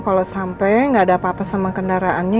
kalau sampai nggak ada apa apa sama kendaraannya